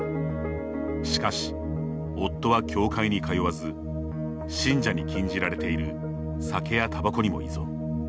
しかし、夫は教会に通わず信者に禁じられている酒やたばこにも依存。